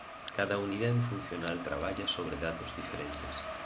Cada unidade funcional traballa sobre datos diferentes.